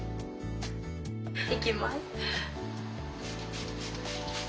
いきます。